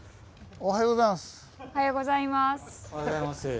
おはようございます。